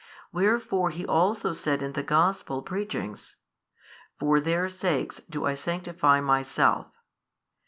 Wherefore He also said in the Gospel preachings, For their sakes do I sanctify Myself.